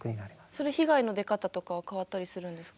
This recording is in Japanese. それ被害の出方とかは変わったりするんですか？